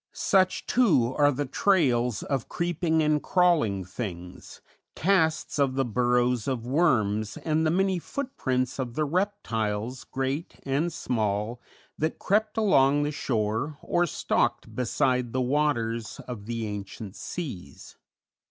Such, too, are the trails of creeping and crawling things, casts of the burrows of worms and the many footprints of the reptiles, great and small, that crept along the shore or stalked beside the waters of the ancient seas.